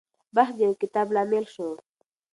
بحث د يو کتاب لامل شو.